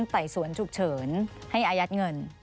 ไต่สวนฉุกเฉินให้อายัดเงิน